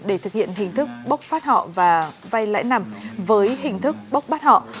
để thực hiện hình thức bốc phát họ và vay lãi nặng với hình thức bốc bắt họ